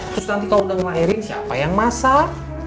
terus nanti kalau udah ngelairin siapa yang masak